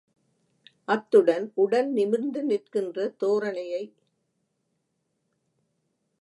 அத்துடன், உடல் நிமிர்ந்து நிற்கின்ற தோரணையை.